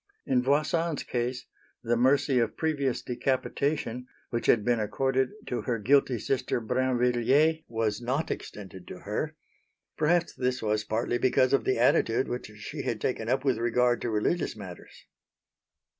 In Voisin's case the mercy of previous decapitation, which had been accorded to her guilty sister Brinvilliers, was not extended to her. Perhaps this was partly because of the attitude which she had taken up with regard to religious matters.